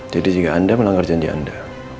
jadi jika anda melanggar janji anda